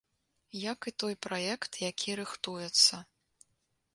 Як і той праект, які рыхтуецца.